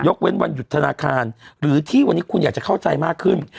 เว้นวันหยุดธนาคารหรือที่วันนี้คุณอยากจะเข้าใจมากขึ้น